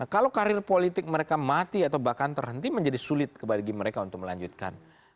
kalau karir politik mereka mati atau bahkan terhenti menjadi sulit bagi mereka untuk melanjutkan